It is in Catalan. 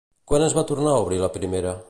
Quan es va tornar a obrir la primera?